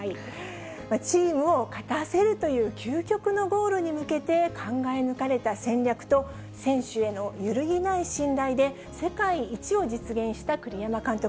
チームを勝たせるという究極のゴールに向けて、考え抜かれた戦略と、選手への揺るぎない信頼で、世界一を実現した栗山監督。